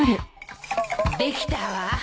できたわ